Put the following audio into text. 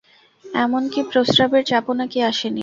এমনকি প্রস্রাবের চাপও নাকি আসে নি।